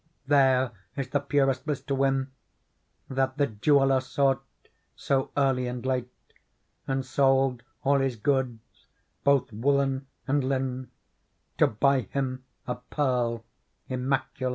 There is the purest bliss to win. That the jeweller sought so early and late. And sold all his goods, both woollen and linne,^ To buy him a Pearl Immaculate.